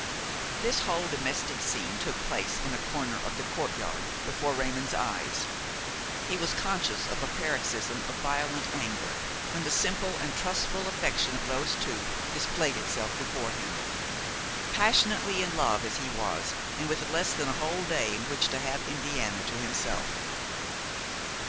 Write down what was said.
This whole domestic scene took place in a corner of the courtyard before Raymon's eyes. He was conscious of a paroxysm of violent anger when the simple and trustful affection of those two displayed itself before him; passionately in love as he was and with less than a whole day in which to have Indiana to himself.